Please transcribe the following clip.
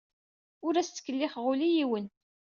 Ur as-ttkellixeɣ ula i yiwen.